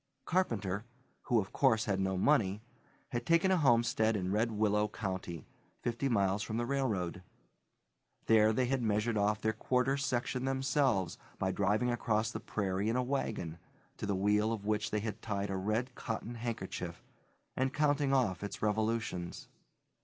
Carpenter, who, of course, had no money, had taken a homestead in Red Willow County, fifty miles from the railroad. There they had measured off their quarter section themselves by driving across the prairie in a wagon, to the wheel of which they had tied a red cotton handkerchief, and counting off its revolutions.